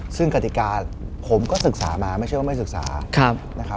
ซึ่งกติกาผมก็ศึกษามาไม่ใช่ว่าไม่ศึกษานะครับ